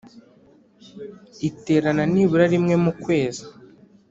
Iterana nibura rimwe mu kwezi